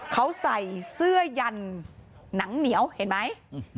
เขาใส่เสื้อยันหนังเหนียวเห็นไหม